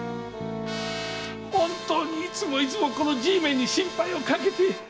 本当にいつもいつもこのじいめに心配をかけて！